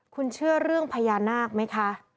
คุณเชื่อเรื่องพญานาคไหมคะ